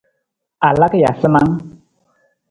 A laka ja sanang ?